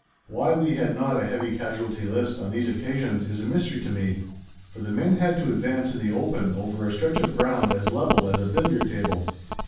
Why we had not a heavy casualty list on these occasions is a mystery to me, for the men had to advance in the open over a stretch of ground as level as a billiard table.